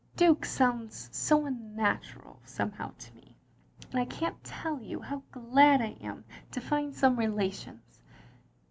''Duke sounds so tinnatural somehow, to me. And I can't tell you how glad I am to find some relations.